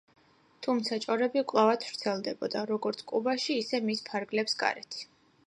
თუმცა ჭორები კვლავ ვრცელდებოდა, როგორც კუბაში, ისე მის ფარგლებს გარეთ.